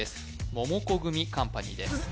モモコグミカンパニーです